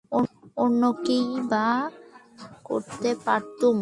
অন্য কীই বা করতে পারতুম।